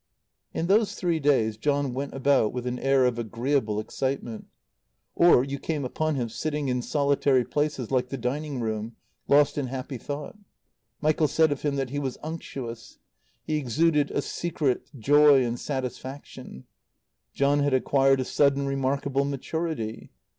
In those three days John went about with an air of agreeable excitement. Or you came upon him sitting in solitary places like the dining room, lost in happy thought. Michael said of him that he was unctuous. He exuded a secret joy and satisfaction. John had acquired a sudden remarkable maturity.